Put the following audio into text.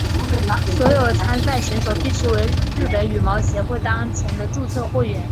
所有参赛选手必须为日本羽毛球协会当前的注册会员。